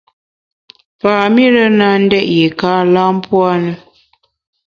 Pam-ire na ndét yiéka lam pua’ na.